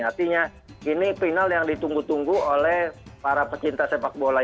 artinya ini final yang ditunggu tunggu oleh para pecinta sepak bola